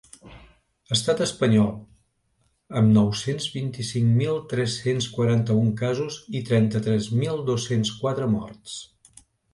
Estat espanyol, amb nou-cents vint-i-cinc mil tres-cents quaranta-un casos i trenta-tres mil dos-cents quatre morts.